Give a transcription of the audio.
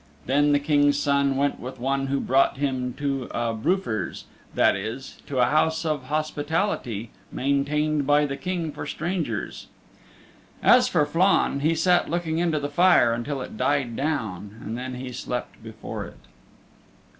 Then the King's Son went with one who brought him to a Brufir's that is, to a House of Hospitality maintained by the King for strangers. As for Flann, he sat looking into the fire until it died down, and then he slept before it.